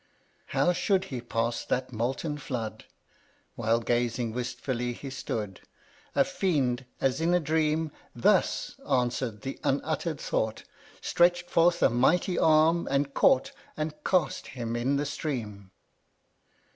26. How should he pass that molten flood ' While gazing wistfully he stood, A Fiend, as in a dream, "Thus !" answer'd the unutter'd thought, Stretch'd forth a mighty arm, and caught And cast him in the stream.